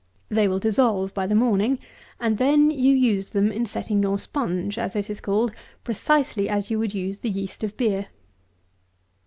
They will dissolve by the morning, and then you use them in setting your sponge (as it is called) precisely as you would use the yeast of beer.